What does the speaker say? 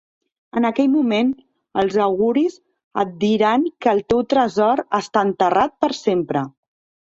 En aquell moment, els auguris et diran que el teu tresor està enterrat per sempre.